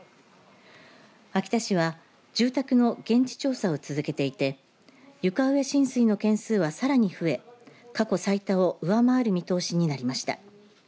秋田市は住宅の現地調査を続けていて床上浸水の件数はさらに増え過去最多を上回る見通しになりました。